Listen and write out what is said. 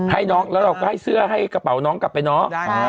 ให้น้องแล้วเราก็ให้เสื้อให้กระเป๋าน้องกลับไปเนาะ